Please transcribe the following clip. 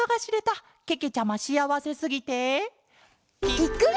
ぴっくり！